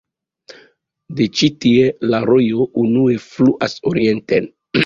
De ĉi-tie la rojo unue fluas orienten.